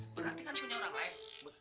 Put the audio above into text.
berarti kan punya orang lain